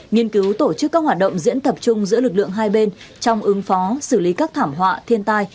nghiên cứu tổ chức các hoạt động diễn tập chung giữa lực lượng hai bên trong ứng phó xử lý các thảm họa thiên tai